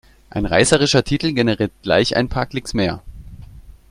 Ein reißerischer Titel generiert gleich ein paar Klicks mehr.